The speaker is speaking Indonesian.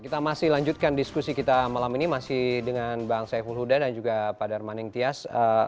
kita masih lanjutkan diskusi kita malam ini masih dengan bang saiful huda dan juga pak darmaning tias